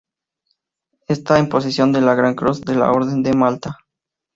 Está en posesión de la Gran Cruz de la Orden de Malta.